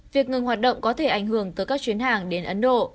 việc ngừng hoạt động có thể ảnh hưởng tới các chuyến hàng đến ấn độ